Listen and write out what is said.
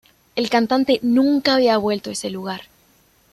El cantante nunca había vuelto a ese lugar.